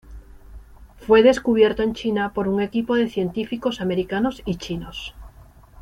Fue descubierto en China por un equipo de científicos americanos y chinos.